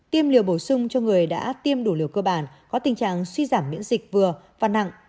tiêm liều bổ sung cho người đã tiêm đủ liều cơ bản có tình trạng suy giảm miễn dịch vừa và nặng